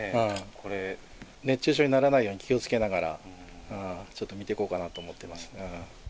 これ、熱中症にならないように気をつけながら、ちょっと見ていこうかなと思っています。